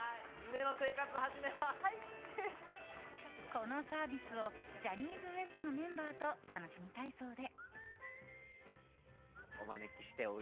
このサービスをジャニーズＷＥＳＴのメンバーと楽しみたいそうで。